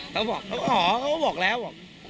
เค้าบอกอ๋อเค้าก็บอกแล้ว